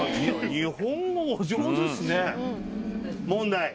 問題。